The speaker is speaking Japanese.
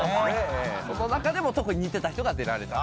その中でも特に似てた人が出られた。